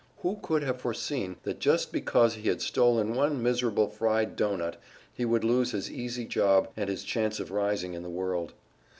Who could have foreseen that just because he had stolen one miserable fried doughnut, he would lose his easy job and his chance of rising in the world?